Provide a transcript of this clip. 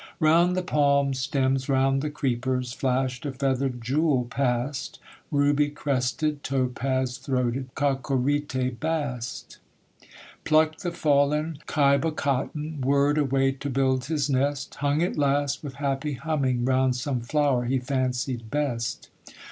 Round the palm stems, round the creepers, Flashed a feathered jewel past, Ruby crested, topaz throated, Plucked the cocorite bast, Plucked the fallen ceiba cotton, Whirred away to build his nest, Hung at last, with happy humming, Round some flower he fancied best.